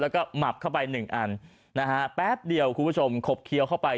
แล้วก็หมับเข้าไปหนึ่งอันนะฮะแป๊บเดียวคุณผู้ชมขบเคี้ยวเข้าไป